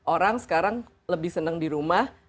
orang sekarang lebih senang di rumah